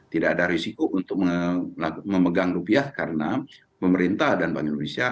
tidak ada risiko untuk memegang rupiah karena pemerintah dan bank indonesia